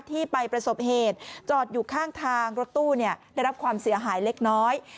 ที่ไปประสบเหตุจอดอยู่ข้างทางรถตู้ได้รับความเสียหายเล็กน้อย